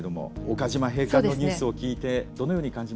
岡島閉館のニュースを聞いてどのように感じますか？